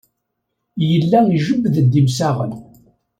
Yella ijebbed-d imsaɣen.